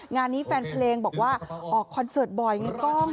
งานนี้แฟนเพลงบอกว่าออกคอนเสิร์ตบ่อยไงกล้อง